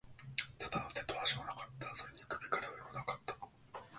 ただ、手と足はなかった。それに首から上も無かった。